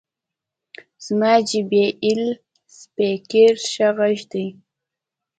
زما جې بي ایل سپیکر ښه غږ لري.